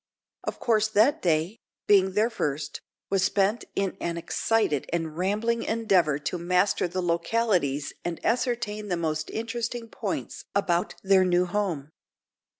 Of course that day, being their first, was spent in an excited and rambling endeavour to master the localities and ascertain the most interesting points about their new home.